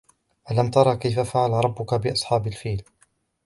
أَلَمْ تَرَ كَيْفَ فَعَلَ رَبُّكَ بِأَصْحَابِ الْفِيلِ